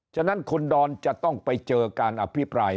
ฉะนั้นคุณดอนจะต้องไปเจอการอภิปราย